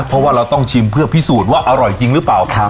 เพราะว่าเราต้องชิมเพื่อพิสูจน์ว่าอร่อยจริงหรือเปล่า